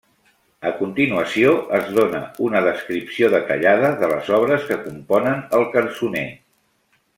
A continuació es dóna una descripció detallada de les obres que componen el cançoner.